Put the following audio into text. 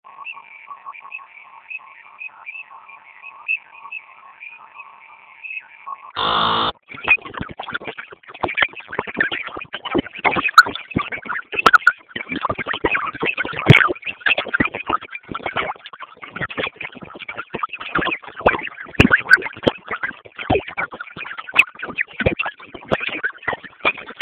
دوی راته وویل چې تاسو اوس مصروفه یاست.